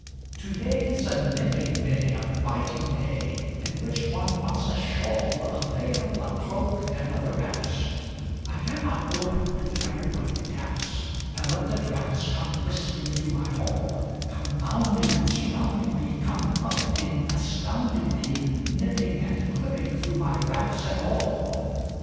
To day's a nipping day, a biting day; In which one wants a shawl, A veil, a cloak, and other wraps: I cannot ope to every one who taps, And let the draughts come whistling through my hall; Come bounding and surrounding me, Come buffeting, astounding me, Nipping and clipping through my wraps and all.